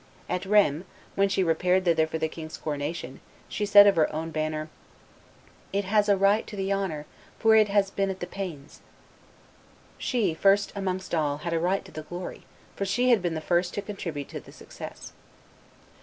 At Rheims, when she repaired thither for the king's coronation, she said of her own banner, "It has a right to the honor, for it has been at the pains." She, first amongst all, had a right to the glory, for she had been the first to contribute to the success.